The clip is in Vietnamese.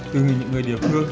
tương như những người địa phương